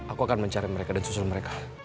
aku akan mencari mereka dan susun mereka